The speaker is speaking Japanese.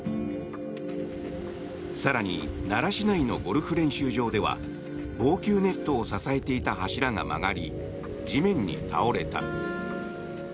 更に奈良市内のゴルフ練習場では防球ネットを支えていた柱が曲がり地面に倒れた。